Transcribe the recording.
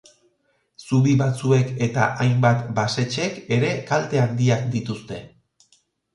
Zubi batzuek eta hainbat basetxek ere kalte handiak dituzte.